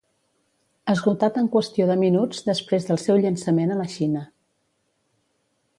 Esgotat en qüestió de minuts després del seu llançament a la Xina.